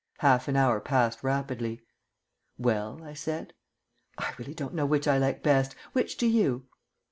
Half an hour passed rapidly. "Well?" I said. "I really don't know which I like best. Which do you?"